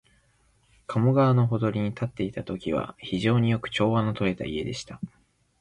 加茂川のほとりに建っていたときは、非常によく調和のとれた家でした